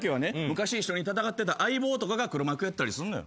昔一緒に戦ってた相棒とかが黒幕やったりするのよ。